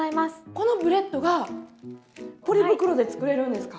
このブレッドがポリ袋で作れるんですか？